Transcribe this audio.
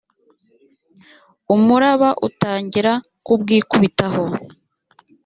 umuraba utangira kubwikubitaho